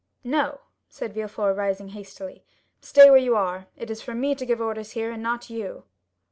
"No," said Villefort, rising hastily; "stay where you are. It is for me to give orders here, and not you."